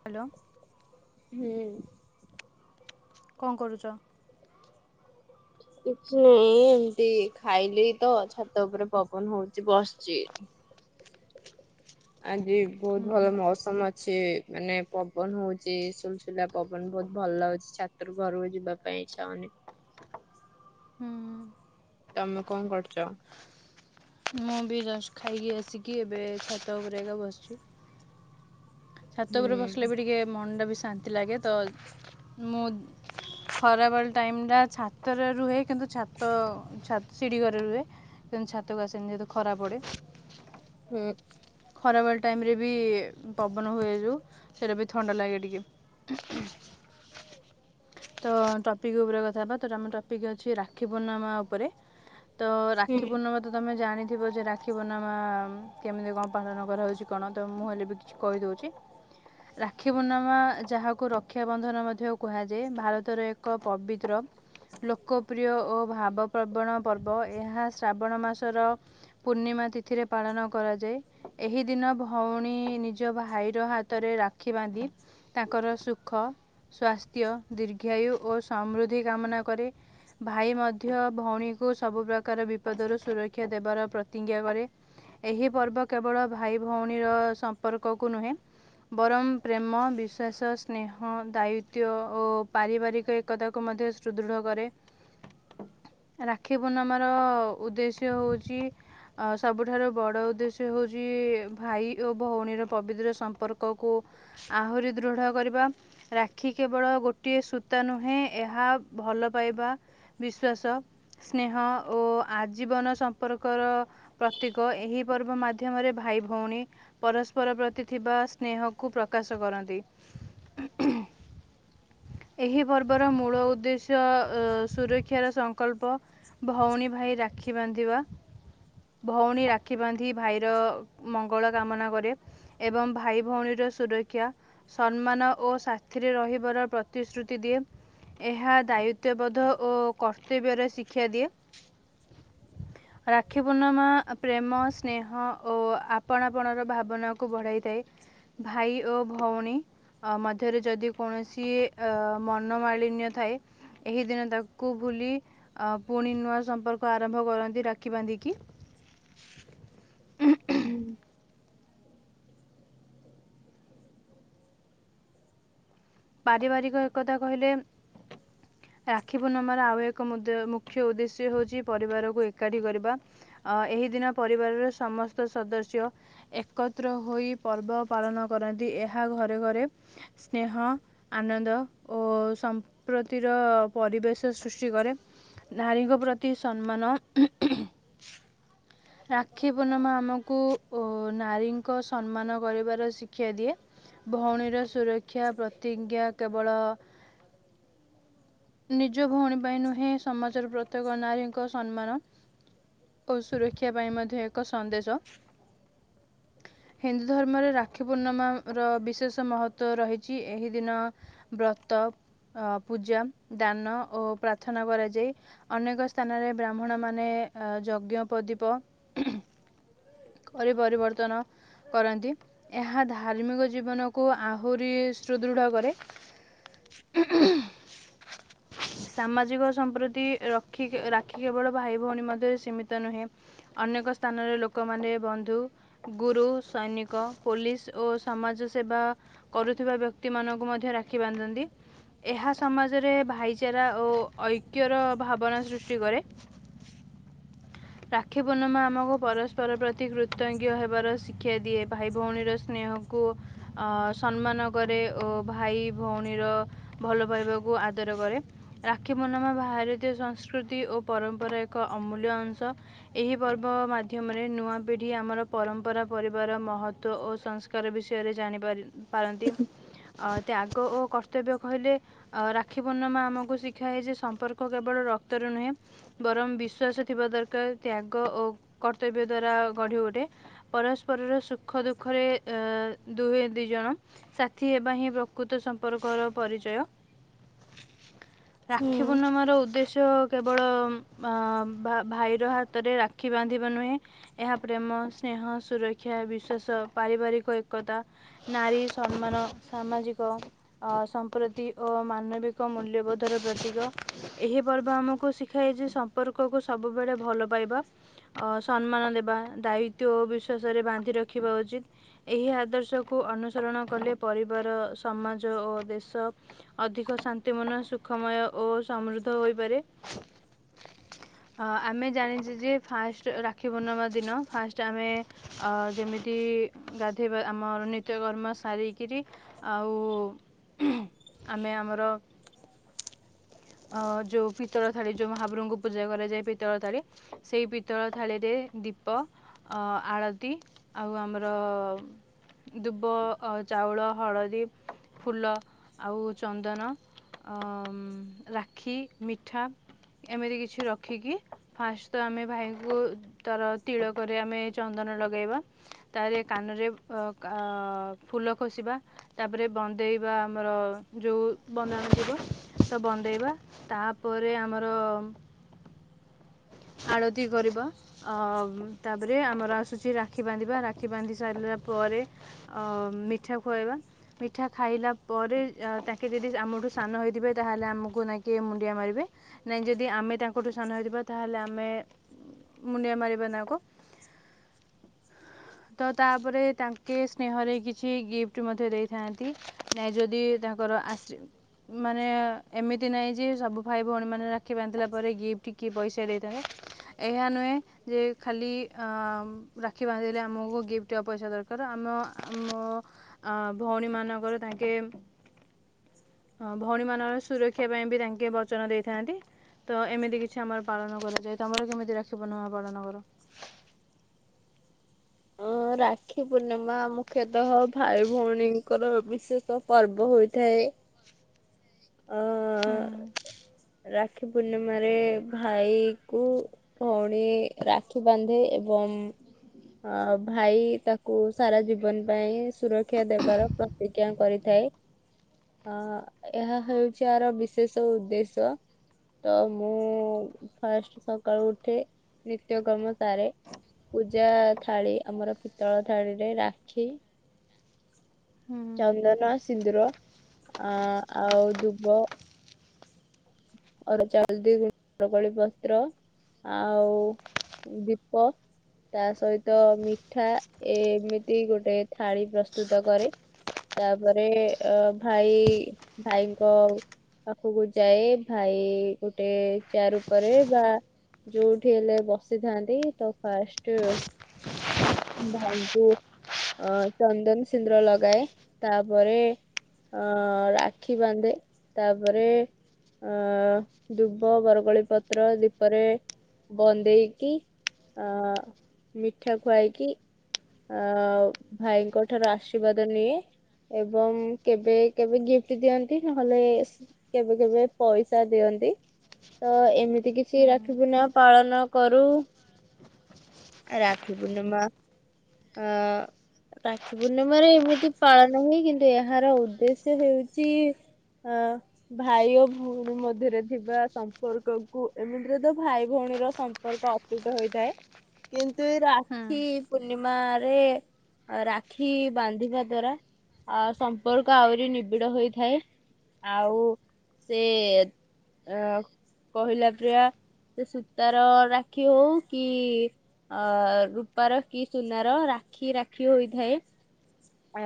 Hello. ଇଏ କଣ କରୁଚ? କିଛି ନାଇଁ ଏମତି ଖାଇଲି ତ ଛାତ ଉପରେ ପବନ ହଉଚି ବସଚି। ଆଜି ହୁଁ ବହୁତ ହୁଁ ଭଲ ମୌସମ ଅ ଛି ମାନେ ପବନ ହଉଚି ସୁଲସୁଲା ପବନ ବହୁତ ଭଲ ଲାଗୁଚି ଛା ତରୁ ଘରକୁ ଯିବା ପାଇଁ ବାଧ୍ୟ ହେବେ ଇଚ୍ଛା ହଉନି। ହୁଁ। ତମେ କଣ କରୁଚ? ମୁଁ ବି ଜଷ୍ଟ ଖାଇକି ଆସିକି ଏବେ ଛାତ ଉପରେ ଏଇକା ବସିଚି। ଛାତ ଉପରେ ବସିଲେ ହୁଁ ବି ଟିକେ ମନଟା ବି ଶାନ୍ତି ଲାଗେ ତ। ମୁଁ ଖରାବେଳ ଟାଇମ ଟା ଛାତରେ ରୁହେ କିନ୍ତୁ ଛାତ ଛା ସିଡିଘରେ ରୁହେ କିନ୍ତୁ ଛାତକୁ ଆସେନି ଯେହେତୁ ଖରା ପଡେ। ହୁଁ। ଖରାବେଳ ଟାଇମରେ ବି ପବନ ହୁଏ ଯୋଉ ସେଇଟା ବି ଥଣ୍ଡା ଲାଗେ ଟିକେ। ହୁ ହୁଁ। ତ ଟପିକ୍ ଉପରେ କଥା ହବା ତ ଆମ ଟପିକ୍ ଅଛି ରାକ୍ଷୀ ପୂର୍ଣ୍ଣାମା ଉପରେ। ତ ହୁଁ ରାକ୍ଷୀ ପୂର୍ଣ୍ଣମା ତ ତମେ ଜାଣିଥିବ ଯେ ରାକ୍ଷୀ ପୂର୍ଣ୍ଣିମା କେମିତି କଣ ପାଳନ କରାହଉଚି କଣ ତ ମୁଁ ହେଲେ ବି କିଛି କହିଦଉଚି। ରାକ୍ଷୀ ପୂର୍ଣ୍ଣମା ଯାହାକୁ ରକ୍ଷାବନ୍ଧନ ମଧ୍ୟ କୁହାଯାଏ। ଭାରତର ଏକ ପବିତ୍ର ଲୋକପ୍ରିୟ ଓ ଭାବପ୍ରବଣ ପର୍ବ ଏହା ଶ୍ରାବଣ ମାସର ପୂର୍ଣ୍ଣିମା ତିଥିରେ ପାଳନ କରାଯାଏ। ଏହି ଦିନ ଭଉଣୀ ନିଜ ଭାଇର ହାତରେ ରାକ୍ଷୀ ବାନ୍ଧି ତାଙ୍କର ସୁଖ, ସ୍ୱାସ୍ଥ୍ୟ, ଦୀର୍ଘାୟୁ ଓ ସମୃଦ୍ଧି କାମନା କରି ଭାଇ ମଧ୍ୟ ଭଉଣୀକୁ ସବୁ ପ୍ରକାର ବିପଦରୁ ସୁରକ୍ଷା ଦେବାର ପ୍ରତିଜ୍ଞା କରେ। ଏହି ପର୍ବ କେବଳ ଭାଇ ଭଉଣୀର ସମ୍ପର୍କକୁ ନୁହେଁ। ବରଂ ପ୍ରେମ, ବିଶ୍ୱାସ, ସ୍ନେହ, ଦାୟିତ୍ଵ ଓ ପାରିବାରିକ ଏକତାକୁ ମଧ୍ୟ ସୁଦୃଢ଼ କରେ। ରାକ୍ଷୀ ପୂର୍ଣ୍ଣମାର ଉଦ୍ଦେଶ୍ୟ ହେଉଛି ସବୁଠାରୁ ବଡ଼ ଉଦ୍ଦେଶ୍ୟ। ସେ ହଉଛି ଭାଇ ଓ ଭଉଣୀର ପବିତ୍ର ସମ୍ପର୍କକୁ। ଆହୁରି ଦୃଢ଼ କରିବା। ରାକ୍ଷୀ କେବଳ ଗୋଟିଏ ସୂତା ନୁହେଁ। ଏହା ଭଲ ପାଇବା। ବିଶ୍ୱାସ। ସ୍ନେହ ଓ ଆଜୀବନ ସମ୍ପର୍କର ପ୍ରତୀକ ଏହି ପର୍ବ ମା ମାଧ୍ୟମରେ ଭାଇ, ଭଉଣୀ ପରସ୍ପର ପ୍ରତି ଥିବା ସ୍ନେହକୁ ପ୍ରକାଶ କରନ୍ତି। ହୁଁ ହୁଁ ଏହି ପର୍ବର ମୂଳ ଉଦ୍ଦେଶ୍ୟ ଅ ସୁରକ୍ଷାର ସଂକଳ୍ପ। ଭଉଣୀ, ଭାଇ ରାକ୍ଷୀ ବାନ୍ଧିବା ଭଉଣୀ ରାକ୍ଷୀ ବାନ୍ଧି। ଭାଇର ମଙ୍ଗଳ କାମନା କରେ ଏବଂ ଭାଇ ଭଉଣୀର ସୁରକ୍ଷା। ସନ୍ମାନ ଓ ସାଥିରେ ରହିବାର ପ୍ରତିଶ୍ରୁତି ଦିଏ। ଏହା ଦାୟିତ୍ୱବୋଧ ଓ କର୍ତ୍ତବ୍ୟର ଶିକ୍ଷା ଦିଏ। ରାକ୍ଷୀ ପୂର୍ଣ୍ଣମା ଆ ପ୍ରେମସ ସ୍ନେହ ଓ ଆପଣା ପଣର ଭାବନାକୁ ବଢ଼ାଇଥାଏ। ଭାଇ ଓ ଭଉଣୀ। ଅ ମଧ୍ୟରେ ଯଦି କୌଣସି ଅ ମନମାଳିନ୍ୟ ଥାଏ। ଏହି ଦିନ ତାକୁ ଭୁଲି ଅ ପୁଣି ନୂଆ ସମ୍ପର୍କ ଆରମ୍ଭ କରନ୍ତି ରାକ୍ଷୀ ବାନ୍ଧିକି। ହୁଁ। ପାରିବାରିକ ଏକତା କହିଲେ। ରାକ୍ଷୀ ପୂର୍ଣ୍ଣମାର ଆଉ ଏକ ମୁଦ ମୁଖ୍ୟ ଉଦ୍ଦେଶ୍ୟ ହଉଛି ପରିବାରକୁ ଏକାଠି କରିବା। ଅ ଏହି ଦିନ ପରିବାରର ସମସ୍ତ ସଦସ୍ୟ। ଏକତ୍ର ହୋଇ ପର୍ବ ପାଳନ କରନ୍ତି। ଏହା ଘରେ ଘରେ ସ୍ନେହ। ଆନନ୍ଦ ଓ ସମ୍ପ୍ରତିର ପରିବେଶ ସୃଷ୍ଟି କରେ। ନାରୀଙ୍କ ପ୍ରତି ସନ୍ମାନ। ରାକ୍ଷୀ ପୂର୍ଣ୍ଣମା ଆମକୁ ଉ ନାରୀଙ୍କ ସନ୍ମାନ କରିବାର ଶିକ୍ଷା ଦିଏ। ଭଉଣୀର ସୁରକ୍ଷା ପ୍ରତିଜ୍ଞା କେବଳ। ନିଜ ଭଉଣୀ ପାଇଁ ନୁହେଁ ସମାଜର ପ୍ରତ୍ୟେକ ନାରୀଙ୍କ ସନ୍ମାନ। ଓ ସୁରକ୍ଷା ପାଇଁ ମଧ୍ୟ ଏକ ସନ୍ଦେଶ। ହିନ୍ଦୁ ଧର୍ମରେ ରାକ୍ଷୀ ପୂର୍ଣ୍ଣମାର ବିଶେଷ ମହତ୍ତ୍ୱ ରହିଛି। ଏହି ଦିନ। ବ୍ରତ ଅ ପୂଜା, ଦାନ ଓ ପ୍ରାର୍ଥନା କରାଯାଏ। ଅନେକ ସ୍ଥାନରେ ବ୍ରାହ୍ମଣମାନେ ଆ ଯଜ୍ଞ ପଦୀପ। କରି ପରିବର୍ତ୍ତନ। କରନ୍ତି ଏହା ଧାର୍ମିକ ଜୀବନକୁ ଆହୁରି ସୁଦୃଢ଼ କରେ। ହୁଁ ହୁଁ ସାମାଜିକ ସମ୍ପ୍ରତି ରଖି ରାକ୍ଷୀ କେବଳ ଭାଇ, ଭଉଣୀ ମଧ୍ୟରେ ସୀମିତ ନୁହେଁ। ଅନେକ ସ୍ଥାନରେ ଲୋ କମାନେ ବନ୍ଧୁ, ଗୁରୁ, ସୈନିକ, ପୋଲିସ ଓ ସମାଜ ସେବା। କରୁଥିବା ବ୍ୟକ୍ତି ମାନଙ୍କୁ ମଧ୍ୟ ରାକ୍ଷୀ ବାନ୍ଧନ୍ତି। ଏହା ସମାଜରେ ଭାଇଚାରା ଓ ଐକ୍ୟର ଭାବନା ସୃଷ୍ଟି କରେ। ରାକ୍ଷୀ ପୂର୍ଣ୍ଣମା ଆମକୁ ପର ପର ପ୍ରତି କୃତଜ୍ଞ ହେବାର ଶିକ୍ଷା ଦିଏ ଭାଇ, ଭଉଣୀର ସ୍ନେହକୁ। ଅ ସନ୍ମାନ କରେ ଓ ଭାଇ, ଭଉଣୀର ଭଲ ପାଇବାକୁ ଆଦର କରେ। ରାକ୍ଷୀ ପୂର୍ଣ୍ଣମା ଭାରତୀୟ ସଂସ୍କୃତି ଓ ପରମ୍ପରା ଏକ ଅମୂଲ୍ୟ ଅଂଶ। ଏହି ପର୍ବ ମାଧ୍ୟମରେ ନୂଆ ପିଢ଼ି ଆମର ପରମ୍ପରା, ପରିବାର ମହତ୍ତ୍ୱ ଓ ସଂସ୍ କାର ବିଷୟରେ ଜାଣିପାରି ପାରନ୍ତି ଅ ତ୍ୟାଗ ଓ କର୍ତ୍ତବ୍ୟ କହିଲେ। ଅ ରାକ୍ଷୀ ପୂର୍ଣ୍ଣମା ଆମକୁ ଶିଖାଏ ଯେ ସମ୍ପର୍କ କେବଳ ରକ୍ତରେ ନୁହେଁ। ବରଂ ବିଶ୍ଵାସ ଥିବା ଦରକାର ତ୍ୟାଗ ଓ କର୍ତ୍ତବ୍ୟ ଦ୍ଵାରା ଗଢି ଉଠେ। ପରସ୍ପରରେ ସୁଖ ଦୁଃଖରେ ଏ ଦୁହେଁ ଦୁଇ ଜଣ ସାଥି ହେବା ହିଁ ପ୍ରକୃତ ସମ୍ପର୍କର ପରିଚୟ। ରାକ୍ଷୀ ହୁଁ। ପୂର୍ଣ୍ଣିମା ର ଉଦ୍ଦେଶ୍ୟ କେବଳ ଅ ଭାଭାଇର ହାତରେ ରାକ୍ଷୀ ବାନ୍ଧି ଦିବା ନୁହେଁ ଏହା ପ୍ରେମ, ସ୍ନେହ, ସୁରକ୍ଷା, ବିଶ୍ଵାସ, ପାରିବାରିକ ଏକତା ନାରୀ ସମ୍ମାନ ସାମାଜିକ। ଅ ସମ୍ପ୍ରତି ଓ ମାନବିକ ମୂଲ୍ୟବୋଧର ପ୍ରତୀକ ଏହି ପର୍ବ ଆମକୁ ଶିଖାଏ ଯେ ସ ସମ୍ପର୍କକୁ ସବୁବେଳେ ଭଲ ପାଇବା। ଅ ସମ୍ମାନ ଦେବା ଦାୟିତ୍ୱ ଓ ବିଶ୍ୱାସ ରେ ବାନ୍ଧି ରଖିବା ଉଚିତ୍। ଏହି ଆଦର୍ଶକୁ ଅନୁସରଣ କଲେ ପରିବାର ସମାଜ ଓ ଦେଶ ଅଧିକ ଶାନ୍ତି ମନ ସୁଖମୟ ଓ ସମୃଦ୍ଧ ହୋଇପାରେ। ଅ ଆମେ ଜାଣିଚେ ଯେ ଫାଷ୍ଟ ରାକ୍ଷୀ ପୂର୍ଣ୍ଣିମା ଦିନ ଫାଷ୍ଟ ଆମେ ଅ ଯେମିତି ଗାଧୋଇବା ଆମର ନି ତ୍ୟ କର୍ମ ସାରି କିରି ଅ ଆମେ ଆମର ଅ ଯଉ ପିତ୍ତଳ ଥାଳି ଯୋଉ ମହାପ୍ରଭୁଙ୍କୁ ପୂଜା କରାଯାଏ ପିତଳ ଥାଳି। ସେଇ ପିତଳ ଥାଳିରେ ଦୀପ। ଅ ଆଳତି ଆଉ ଆମର ଦୁବ ଅ ଚାଉଳ, ହଳଦୀ, ଫୁଲ ଆଉ ଚନ୍ଦନ ଅମ୍ ରାକ୍ଷୀ ମିଠା ଏମିତି କିଛି ରଖିକି ଫାଷ୍ଟ ତ ଆମେ ଭାଇଙ୍କୁ ତର ତିଳକ ରେ ଆମେ ଚନ୍ଦନ ଲଗାଇବା ତାରେ କାନରେ ଅ କା ଫୁଲ ଖୋଷିବା। ତାପରେ ବନ୍ଦେଇବା ଆମର ଯୋଉ ବନ୍ଦାଣ ଥିବ ତ ବନ୍ଦ ଇବା ତାପରେ ଆମର ଆଳତି କରିବା। ଅମ୍ ତାପରେ ଆମର ଆସୁଛି ରାକ୍ଷୀ ବାନ୍ଧିବା ରାକ୍ଷୀ ବାନ୍ଧି ସାରିଲା ପରେ ଅମ୍ ମିଠା ଖୁଆଇବା। ମିଠା ଖାଇଲା ପରେ ଅ ତାଙ୍କେ ଯଦି ଆମଠୁ ସାନ ହେଇଥିବେ ତାହେଲେ ଆମକୁ ଙ୍କୁ ନେଇକି ମୁଣ୍ଡିଆ ମାରିବେ ନାଇଁ ଯଦି ଆମେ ତାଙ୍କଠୁ ସାନ ହେଇଥିବା ତାହେଲେ ଆମେ ମୁଣ୍ଡିଆ ମାରିବା ନାକୋ ତ ତାପରେ ତାଙ୍କେ ସ୍ନେହରେ କିଛି ଗିଫ୍ଟ ମଧ୍ୟ ଦେଇଥାଆନ୍ତି। ନାଇଁ ଯଦି ତାଙ୍କର ଆଶ୍ରୀ ମାନେ ଏମିତି ନାଇଁ ଯେ ସବୁ ଭାଇ ଭଉଣୀ ମାନେ ରାକ୍ଷୀ ବାନ୍ଧଥିଲା ପରେ ଗିଫ୍ଟ କି ପଇସା ଦେଇଦେବେ। ଏହା ନୁଏ ଯେ ଖାଲି ରାକ୍ଷୀ ବାନ୍ଧିଲେ ଆମକୁ ଗିଫ୍ଟ ବା ପଇସା ଦରକାର ଆମ ଆମ ଅ ଭଉଣୀ ମାନଙ୍କର ତାଙ୍କେ ହଁ ଭଉଣୀ ମାନଙ୍କର ସୁରକ୍ଷା ପାଇଁ ବି ତାଙ୍କେ ବଚନ ଦେଇଥାନ୍ତି। ତ ଏମିତି କିଛି ଆମର ପାଳନ କରାଯାଏ ତମର କେମିତି ରାଖି ପୂର୍ଣ୍ଣିମା ପାଳନ କର? ଅଁ ରାକ୍ଷୀ ପୂର୍ଣ୍ଣିମା ମୁଖ୍ୟତଃ ଭାଇ ଭଉଣୀଙ୍କର ବିଶେଷ ପର୍ବ ହୋଇଥାଏ। ଅ ହୁଁ ରାକ୍ଷୀ ପୂର୍ଣ୍ଣିମାରେ ଭାଇ କୁ। ଭଉଣୀ ରାକ୍ଷୀ ବାନ୍ଧେ ଏବଂ ଅ ଭାଇ ତାକୁ ସାରା ଜୀବନ ପାଇଁ ସୁରକ୍ଷା ଦେବାର ପ୍ରତିଜ୍ଞା କରିଥାଏ ଅ ଏହା ହେଉଛି ଆର ବିଶେଷ ଉଦ୍ଦେଶ୍ୟ। ତ ମୁଁ ଫାଷ୍ଟ ସକାଳୁ ଉଠେ ନିତ୍ୟ କର୍ମ ସାରେ। ପୂଜା ଥାଳି ଆମର ପିତଳ ଥାଳିରେ ରାକ୍ଷୀ ହୁଁ ଚନ୍ଦନ ସିନ୍ଦୁର ଆ ଆଉ ଦୂବ ଅରୁଆ ଚାଉଳ [unintelligible] ପତ୍ର ଆଉ ଦୀପ। ତା ସହିତ ମିଠା ଏ ଏମିତି ଗୋଟେ ଥାଳି ପ୍ରସ୍ତୁତ କରେ। ତାପରେ ଅ ଭାଇ ଭାଇଙ୍କ ପାଖକୁ ଯାଏ। ଖାଇ ଗୋଟେ ଚେୟାର ଉପରେ ବା ଯୋଉଠି ହେଲେ ବସିଥାନ୍ତି ତ ଫାଷ୍ଟ ଭାଇଙ୍କୁ ଅ ଚନ୍ଦନ ସିନ୍ଦୁର ଲଗାଏ, ତାପରେ ଅ ରାକ୍ଷୀ ବାନ୍ଧେ, ତାପରେ ଅ ଦୁବ ବରଗଳି ପତ୍ର ଦୀପରେ ବନ୍ଦେଇକି ଅ ମିଠା ଖୁଆଇ କି ଅ ଭାଇଙ୍କ ଠାରୁ ଆଶୀର୍ବାଦ ନିଏ। ଏବଂ କେବେ କେବେ ଗିଫ୍ଟ ଦିଅନ୍ତି, ନହେଲେ କେବେ କେବେ ପଇସା ଦିଅନ୍ତି। ତ ଏମିତି କିଛି ହୁଁ ରାଖି ପୁନିମା ପାଳନ କରୁ। ରାକ୍ଷି ପୂର୍ଣ୍ଣିମା ଅ ରାକ୍ଷୀ ପୂର୍ଣ୍ଣିମାରେ ଏମିତି ପାଳନ ହୁଏ କି ଏହାର ଉଦ୍ଦେଶ୍ୟ ହେଉଛି ହଁ ଭାଇ ଓ ଭଉଣୀ ମଧ୍ୟରେ ଥିବା ସମ୍ପର୍କକୁ ଏମିତିରେ ତ ଭାଇ ଭଉଣୀର ସମ୍ପର୍କ ଅତୁଟ ହୋଇଥାଏ, କିନ୍ତୁ ଏଇ ହୁଁ ରାକ୍ଷୀ ପୂର୍ଣ୍ଣିମାରେ ରାକ୍ଷୀ ବାନ୍ଧିବା ଦ୍ଵାରା ଅ ସମ୍ପର୍କ ଆହୁରି ନିବିଡ଼ ହୋଇଥାଏ, ଆଉ ସେ ଅ କହିଲା ପ୍ରିୟା ସେ ସୂତାର ରାକ୍ଷୀ ହଉ କି ଅ ରୂପାର କି ସୁନାର ରାକ୍ଷୀ ରାକ୍ଷୀ ହୋଇଥାଏ।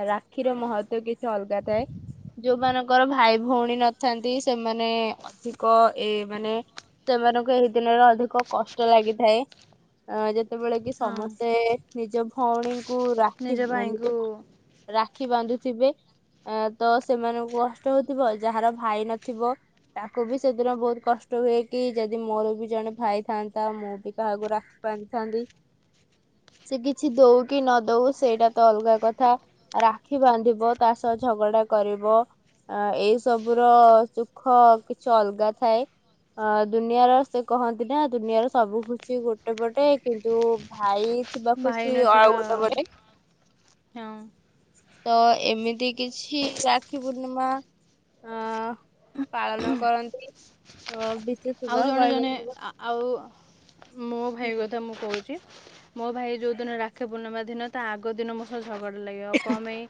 ରାକ୍ଷୀର ମହତ୍ୱ କିଛି ଅଲଗା ଥାଏ। ଯୋଉମାନଙ୍କର ଭାଇ ଭଉଣୀ ନଥାନ୍ତି ସେମାନେ ଅଧିକ ଏ ମାନେ ସେମାନଙ୍କୁ ଏହି ଦିନରେ ଅଧିକ କଷ୍ଟ ଲାଗିଥାଏ। ଅ ଯେତେବେଳେ କି ହଁ ସମସ୍ତେ ନିଜ ଭଉଣୀଙ୍କୁ ରାକ୍ଷି ନିଜ ଭାଇଙ୍କୁ ନିଜ ରାକ୍ଷୀ ବାନ୍ଧୁଥିବେ ତ ସେମାନଙ୍କୁ କଷ୍ଟ ହଉଥିବ ଯାହାର ଭାଇ ନଥିବ ତାକୁ ବି ସେଦିନ ବହୁତ କଷ୍ଟ ହୁଏ କି ଯଦି ମୋର ବି ଜଣେ ଭାଇ ଥାନ୍ତା ମୁଁ ବି କାହାକୁ ରାଖି ବାନ୍ଦ ଥାନ୍ତି। [inaudible] ସେ କିଛି ଦଉ କି ନ ଦଉ ସେଇଟା ତ ଅଲଗା କ ଥା ରାକ୍ଷୀ ବାନ୍ଧିବ ତା ସହ ଝଗଡା କରିବ। ଆ ଏଇ ସବୁ ର ସୁଖ କିଛି ଅଲଗା ଥାଏ। ଅ ଦୁନିଆର ସେ କହନ୍ତି ନା ଦୁନିଆର ସବୁ ଖୁସି ଗୋଟେ ପଟେ କିନ୍ତୁ ଭାଇ ଥିବା ଭାଇ ଖୁସି ନଥିବା ଆଉ ଗୋଟେ ବେଳେ। ହଁ। ତ ଏମିତି କିଛି ରାକ୍ଷୀ ପୂର୍ଣ୍ଣିମା ଅ ପାଳନ କରନ୍ତି, ଅ ବିଶେଷ ଆଉ ଜଣେ ଜଣେ ଆଉ ମୋ ଭାଇ ହୁଁ କଥା ମୁଁ କହୁ ଚି ମୋ ଭାଇ ଯୋଉ ଦିନ ରାକ୍ଷୀ ପୂର୍ଣ୍ଣିମା ଦିନ ତା ଆଗ ଦିନ ମୋ ସହ ଝଗଡା ଲାଗିବ କଁ ପାଇଁ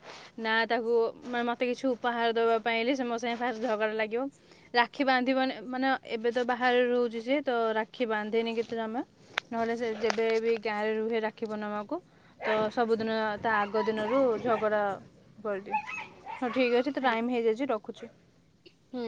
ନା ତାକୁ ମତେ କିଛି ଉପହାର ଦେବା ପାଇଁ ସେ ମୋ ସାଙ୍ଗେ ଫାଷ୍ଟ ଝଗଡ଼ା ଲାଗିବ ରାକ୍ଷୀ ବାନ୍ଧିବନ ମାନେ ଏବେ ତ ବାହାରେ ରହୁଛି ଯେ ତ ରାକ୍ଷୀ ବାନ୍ଧିନି କେତେ ଟ ଆମେ ନହେଲେ ସେ ଯେବେ ବି ଗାଁ ରେ ରୁହେ ରାଖିବ ନମା କୁ ତ ସବୁଦିନ ତା ଆଗ ଦିନରୁ ଝଗଡା କରି ହଁ ଠିକ ଅଛି ଟାଇମ ହେଇଯାଇଛି ରଖୁଛି ହୁଁ।